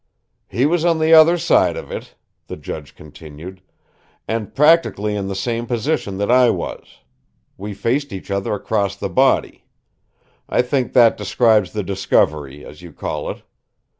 "He was on the other side of it," the judge continued, "and practically in the same position that I was. We faced each other across the body. I think that describes the discovery, as you call it.